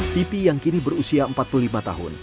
t p yang kini berusia empat puluh lima tahun